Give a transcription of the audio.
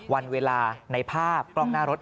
วันเวลาในภาพกล้องหน้ารถ